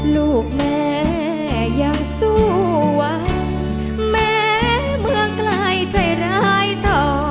ลูกแม่ยังสู้หวังแม้เมืองไกลใจร้ายต่อ